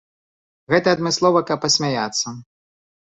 Гэта адмыслова, каб пасмяяцца.